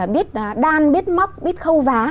biết đan biết móc biết khâu vá